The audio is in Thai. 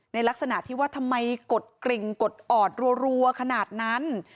ลักษณะที่ว่าทำไมกดกริ่งกดออดรัวขนาดนั้น